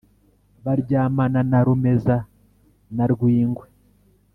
baryamana na rumeza na rwingwe,